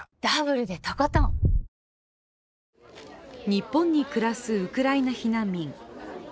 日本に暮らすウクライナ避難民。